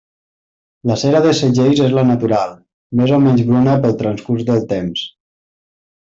La cera dels segells és la natural, més o menys bruna pel transcurs del temps.